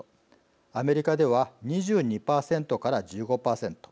アメリカでは２２％から１５％